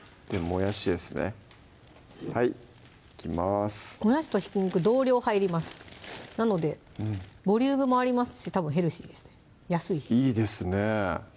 もやしとひき肉同量入りますなのでボリュームもありますしたぶんヘルシーですね安いしいいですね